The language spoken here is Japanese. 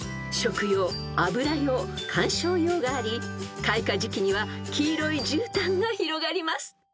［食用油用観賞用があり開花時期には黄色いじゅうたんが広がります］